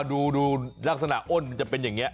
ดูลักษณะอ้นมันจะเป็นอย่างนี้